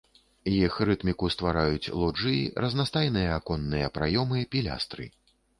Іх рытміку ствараюць лоджыі, разнастайныя аконныя праёмы, пілястры.